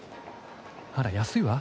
あら安いわ。